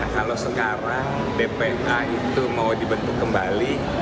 kalau sekarang dpa itu mau dibentuk kembali